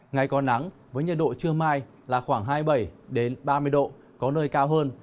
ngày có nắng với nhiệt độ trưa mai là khoảng hai mươi bảy ba mươi độ có nơi cao hơn